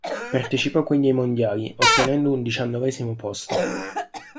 Partecipò quindi ai mondiali ottenendo un diciannovesimo posto.